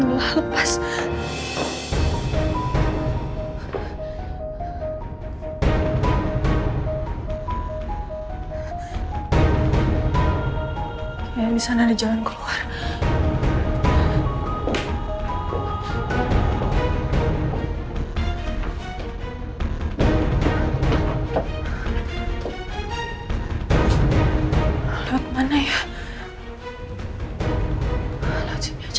alhamdulillah alhamdulillah pas